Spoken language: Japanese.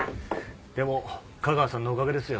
でも架川さんのおかげですよ。